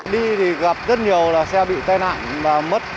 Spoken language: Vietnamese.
đi thì gặp rất nhiều xe bị tai nạn mất